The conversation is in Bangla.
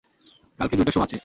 কালকে দুইটা শো আছে।